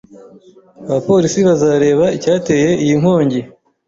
Abapolisi bazareba icyateye iyi nkongi.